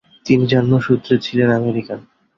তিনি জন্মসূত্রে ছিলেন আমেরিকান।